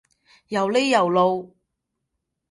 又呢又路？